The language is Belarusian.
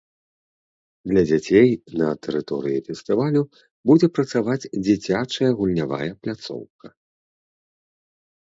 Для дзяцей на тэрыторыі фестывалю будзе працаваць дзіцячая гульнявая пляцоўка.